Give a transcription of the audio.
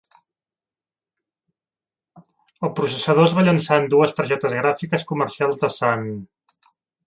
El processador es va llançar en dues targetes gràfiques comercials de Sun.